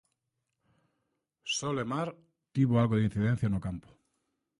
Só Lemar tivo algo de incidencia no campo.